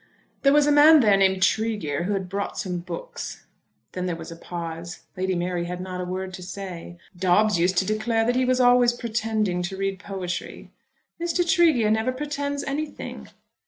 "There was a man there named Tregear who had brought some books." Then there was a pause. Lady Mary had not a word to say. "Dobbes used to declare that he was always pretending to read poetry." "Mr. Tregear never pretends anything."